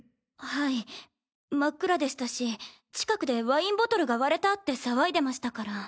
はい真っ暗でしたし近くでワインボトルが割れたって騒いでましたから。